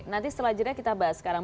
nanti setelah jeda kita bahas sekarang